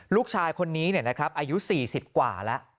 ลูกชายคนนี้อายุ๔๐กว่าแล้ว